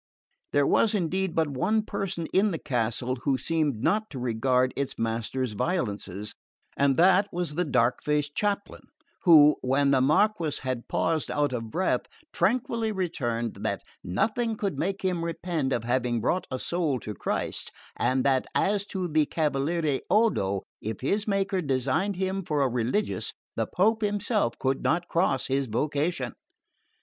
There was indeed but one person in the castle who seemed not to regard its master's violences, and that was the dark faced chaplain, who, when the Marquess had paused out of breath, tranquilly returned that nothing could make him repent of having brought a soul to Christ, and that, as to the cavaliere Odo, if his maker designed him for a religious, the Pope himself could not cross his vocation.